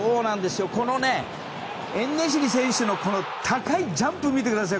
このエンネシリ選手の高いジャンプを見てください。